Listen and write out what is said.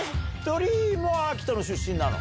鳥居も秋田の出身なの？